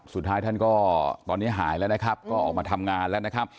สุดท้ายท่านก็ตอนนี้หายแล้วนะครับก็ออกมาทำงานแล้วนะครับ